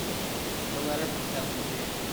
The letter from Kelsey Jane.